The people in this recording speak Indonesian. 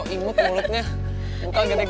nih makan dapet yang ujung lo deh